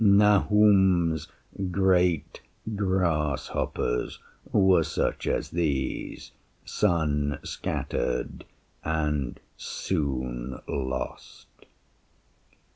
Nahum's great grasshoppers were such as these, Sun scattered and soon lost.